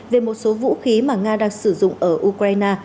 về một số vũ khí mà nga đang sử dụng ở ukraine